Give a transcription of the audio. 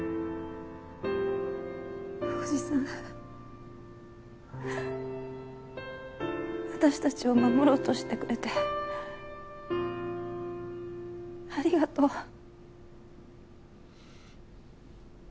おじさん私たちを守ろうとしてくれてありがとう。